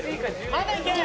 まだいける！